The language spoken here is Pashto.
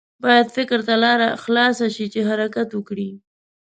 باید فکر ته لاره خلاصه شي چې حرکت وکړي.